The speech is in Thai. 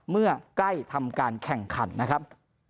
เมื่อใกล้ทำการแข่งขันนะครับ